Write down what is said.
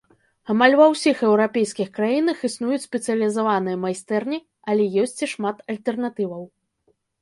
Амаль ва ўсіх еўрапейскіх краінах існуюць спецыялізаваныя майстэрні, але ёсць і шмат альтэрнатываў.